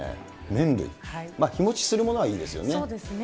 麺類、日持ちするものはいいですよね。